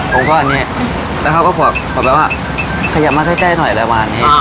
พี่กำลังสามารถเริ่มการ